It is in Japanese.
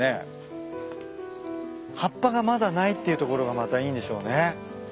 葉っぱがまだないっていうところがまたいいんでしょうね。